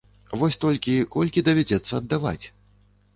Вось толькі колькі давядзецца аддаваць?